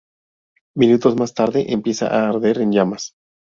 Minutos más tarde empieza a arder en llamas.